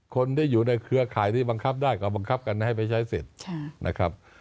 คนที่อยู่ในเครือข่ายที่บังคับได้ก็บังคับกันให้ไปใช้สิทธิ์นะครับ